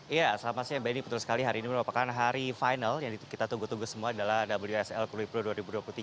iya selamat siang benny betul sekali hari ini merupakan hari final yang kita tunggu tunggu semua adalah wsl krui pro dua ribu dua puluh tiga